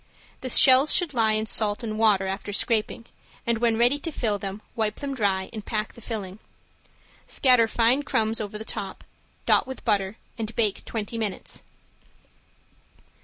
The shells should lie in salt and water after scraping, and when ready to fill them wipe them dry and pack the filling. Scatter fine crumbs over the top, dot with butter and bake twenty minutes.